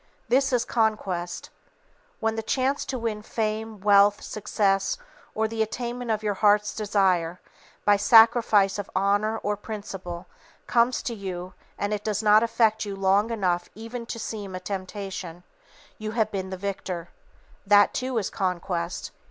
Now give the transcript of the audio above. This is Conquest. When the chance to win fame, wealth, success or the attainment of your heart's desire, by sacrifice of honor or principle, comes to you and it does not affect you long enough even to seem a temptation, you have been the victor. That too is Conquest.